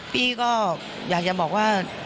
พี่ก็อยากจะบอกว่า